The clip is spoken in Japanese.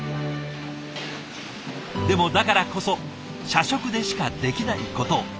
でもだからこそ社食でしかできないことを。